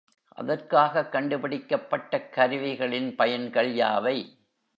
அதற்காகக் கண்டு பிடிக்கப்பட்டக் கருவிகளின் பயன்கள் யாவை?